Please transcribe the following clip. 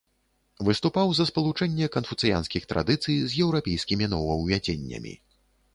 Выступаў за спалучэнне канфуцыянскіх традыцый з еўрапейскімі новаўвядзеннямі.